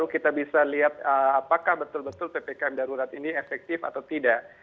kita bisa lihat apakah betul betul ppkm darurat ini efektif atau tidak